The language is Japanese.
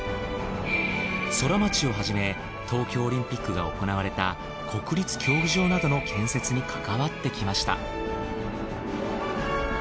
ソラマチをはじめ東京オリンピックが行われた国立競技場などの建設に関わってきました。